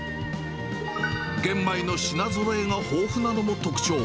玄米の品ぞろえが豊富なのも特徴。